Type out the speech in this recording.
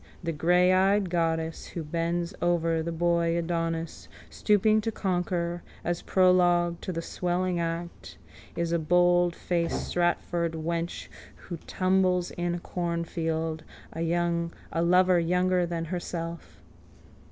The greyeyed goddess who bends over the boy Adonis, stooping to conquer, as prologue to the swelling act, is a boldfaced Stratford wench who tumbles in a cornfield a lover younger than herself.